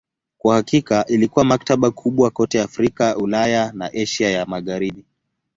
Kwa hakika ilikuwa maktaba kubwa kote Afrika, Ulaya na Asia ya Magharibi.